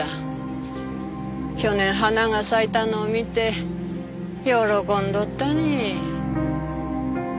去年花が咲いたのを見て喜んどったね。